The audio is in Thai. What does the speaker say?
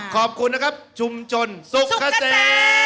ขอบคุณนะครับชุมชนสุขเกษตร